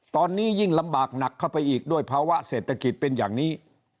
ตอนนี้ยิ่งลำบากหนักเข้าไปอีกด้วยภาวะเศรษฐกิจเป็นอย่างนี้